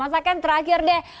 mas aken terakhir deh